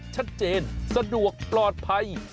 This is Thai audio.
ชัดเจนสะดวกปลอดภัย